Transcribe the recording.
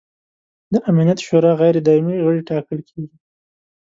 د امنیت شورا غیر دایمي غړي ټاکل کیږي.